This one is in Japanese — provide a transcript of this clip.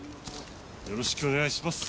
よろしくお願いします。